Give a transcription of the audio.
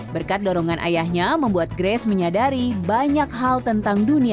berkat dorongan ayahnya membuat grace menyadari banyak hal tentang dunia